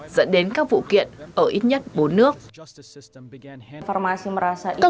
dẫn đến một số trẻ em ở indonesia bị di chứng bởi uống siro hor nhiễm độc